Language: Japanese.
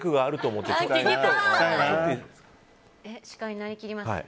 シカになりきりますね。